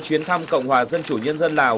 chuyến thăm cộng hòa dân chủ nhân dân lào